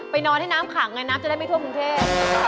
นอนให้น้ำขังไงน้ำจะได้ไม่ทั่วกรุงเทพ